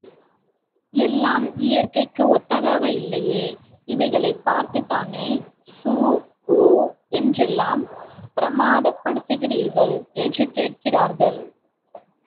எல்லாம் இயற்கைக்கு ஒத்ததாக இல்லையே, இவைகளைப் பார்த்துத் தானே, சூ, ஓ என்றெல்லாம் பிரமாதப்படுத்துகிறீர்கள்? என்று கேட்கிறார்கள்.